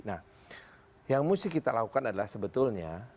nah yang mesti kita lakukan adalah sebetulnya